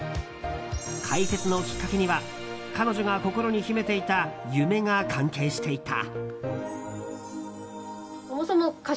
開設のきっかけには彼女が心に秘めていた夢が関係していた。